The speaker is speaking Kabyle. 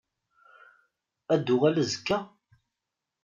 Ad d-tuɣal azekka?